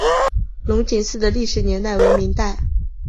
龙井寺的历史年代为明代。